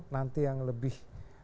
nanti yang lebih